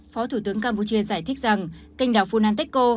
phó thủ tướng campuchia giải thích rằng canh đảo funanteko